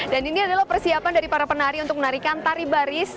dan ini adalah persiapan dari para penari untuk menarikan tari baris